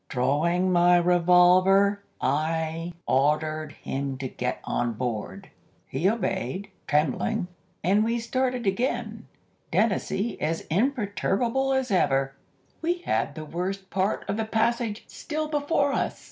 Drawing my revolver, I ordered him to get on board. He obeyed, trembling, and we started again, Dennazee as imperturbable as ever. [Illustration: SHOOTING A FALL.] "We had the worst part of the passage still before us.